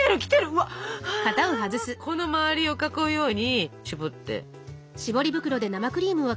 うわこの周りを囲うようにしぼって。